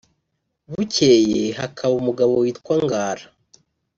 Bukeye hakaba umugabo witwa Ngara